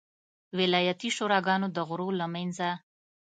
ولایتي شوراګانو د غړو له منځه.